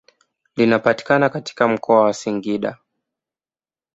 Linapatikana katika mkoa wa Singida.